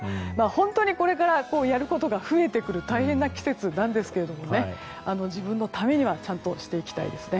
本当にこれからやることが増えてくる大変な季節なんですが自分のためにちゃんとしていきたいですね。